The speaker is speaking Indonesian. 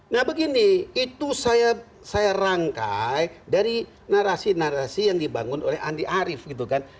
nah begini itu saya rangkai dari narasi narasi yang dibangun oleh andi arief gitu kan